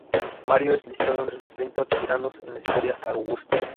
Mario es listado entre los Treinta Tiranos en la "Historia Augusta".